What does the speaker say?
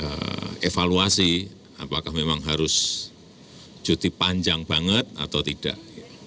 jadi evaluasi apakah memang harus cuti panjang banget atau tidak